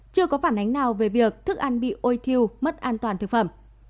chưa có phản ánh nào về việc thức ăn bị ôi thiêu mất an toàn thực phẩm